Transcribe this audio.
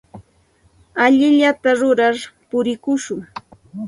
Allinllata rurar purikushun.